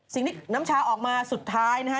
สิ่งที่น้ำชาออกมาสุดท้ายนะฮะ